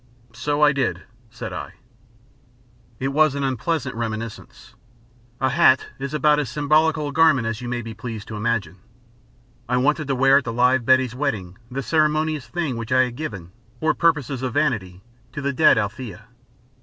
"So I did," said I. It was an unpleasant reminiscence. A hat is about as symbolical a garment as you may be pleased to imagine. I wanted to wear at the live Betty's wedding the ceremonious thing which I had given, for purposes of vanity, to the dead Althea.